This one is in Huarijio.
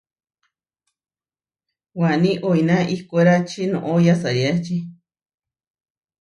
Waní oiná ihkwérači noʼó yasariáči.